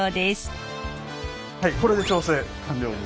はいこれで調整完了に。